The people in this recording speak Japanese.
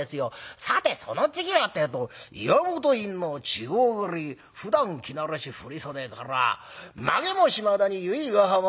さてその次はってえと『岩本院の稚児上がりふだん着慣れし振り袖から髷も島田に由比ヶ浜。